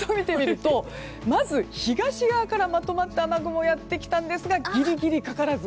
まず、東側からまとまった雨雲がやってきたんですがギリギリかからず。